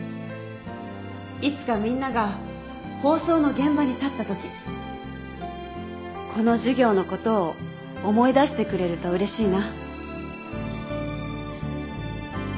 いつかみんなが法曹の現場に立ったときこの授業のことを思い出してくれるとうれしいな。